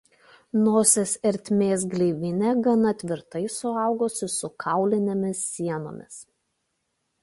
Nosies ertmės gleivinė gana tvirtai suaugusi su kaulinėmis sienomis.